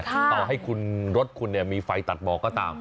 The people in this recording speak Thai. เอาให้รถคุณมีไฟตัดบอกก็ตาม